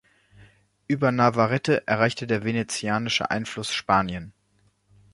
Über Navarrete erreichte der venezianische Einfluss Spanien.